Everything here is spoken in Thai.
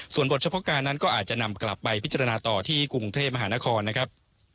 ส่วนบทเฉพาะการนั้นก็อาจจะนำกลับไปพิจารณาต่อที่กรุงเทพมหานครนะครับ